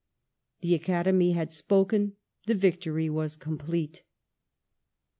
The Academy had spoken, the victory was com plete.